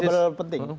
ada yang berapa penting